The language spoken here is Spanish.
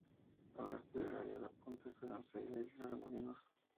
Al oeste se halla la punta Esperanza y la isla Remolinos.